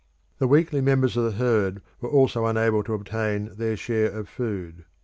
The weakly members of the herd were also unable to obtain their share of food.